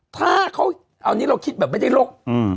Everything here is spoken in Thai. ถ้าเขาเอานี้เราคิดแบบไม่ได้ลก